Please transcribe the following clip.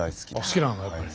好きなんだやっぱり。